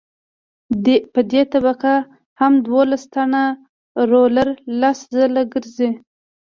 په دې طبقه هم دولس ټنه رولر لس ځله ګرځي